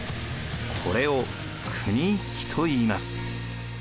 これを国一揆といいます。